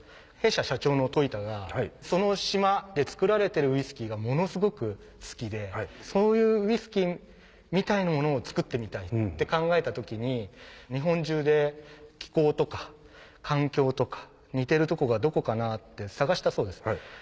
弊社社長の樋田がその島で造られてるウイスキーがものすごく好きでそういうウイスキーみたいなものを造ってみたいって考えた時に日本中で気候とか環境とか似てるとこがどこかなって探したそうです。